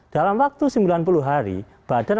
dalam waktu sembilan puluh hari badan